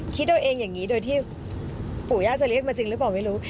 คิดโดยเองอย่างนี้โดยที่ปู่ย่าน่าจะยังจะเรียกกันจริงหรือเปล่าไม่รู้